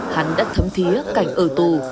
hắn đã thấm thía cảnh ở tù